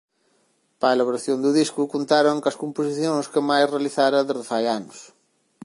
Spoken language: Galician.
Para a elaboración do disco contaron coas composicións que Mai realizara desde fai anos.